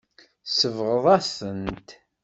Tsebɣeḍ-as-tent.